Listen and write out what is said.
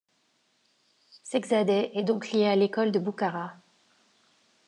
Seikhzadeh est donc lié à l'école de Boukhara.